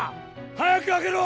早く開けろ！